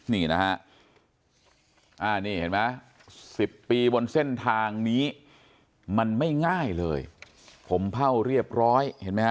นี่นะคะเห็นไหม๑๐ปีบนเส้นทางนี้มันไม่ง่ายเลยผมผ้าวเรียบร้อย